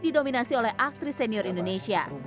didominasi oleh aktris senior indonesia